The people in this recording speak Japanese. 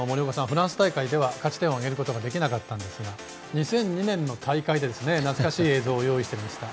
フランス大会では勝ち点を挙げることができなかったんですが２００２年の大会で懐かしい映像を用意してみました。